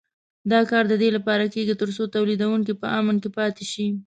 دا کار د دې لپاره کېږي تر څو تولیدوونکي په امن کې پاتې شي.